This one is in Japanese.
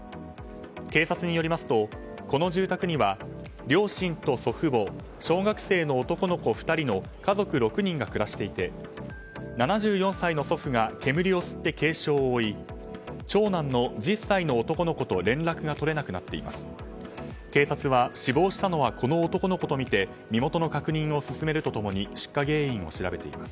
警察によりますとこの住宅には両親と祖父母小学生の男の子２人の家族６人が暮らしていて７４歳の祖父が煙を吸って軽傷を負い長男の１０歳の男の子と連絡が取れなくなっています。